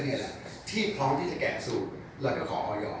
ที่ที่คือพร้อมได้แก่สู่และจะขอออยอง